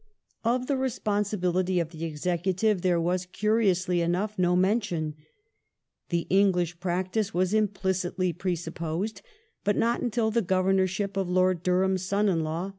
Of the responsibility of the Executive there was, curiously enough, no mention. The English practice was implicitly presupposed, but not until the Governorship of Lord Durham's son in law.